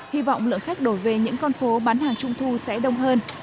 hy vọng lượng khách đổ về những con phố bán hàng trung thu sẽ đông hơn